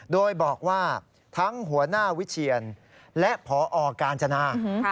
โดยบอกว่าทั้งหัวหน้าวิเชียนและพอกาญจนา